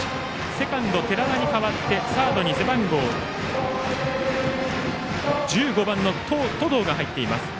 セカンド、寺田に代わってサードに背番号１５番の登藤が入っています。